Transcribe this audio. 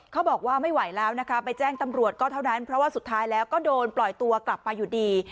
เขาบอกว่าไม่ไหวแล้วนะคะไปแจ้งตำรวจก็เท่านั้นเพราะว่าสุดท้ายแล้วก็โดนปล่อยตัวกลับมาอยู่ดี